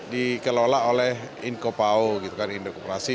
dikelola oleh inkopao gitu kan indra koperasi